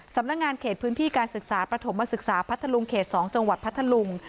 สำนักงานเขตพื้นที่การศึกษาประถมศึกษาพัทธลุงเขต๒จังหวัดพัทธลุง